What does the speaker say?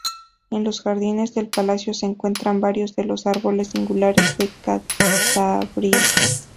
En los jardines del palacio se encuentran varios de los Árboles Singulares de Cantabria.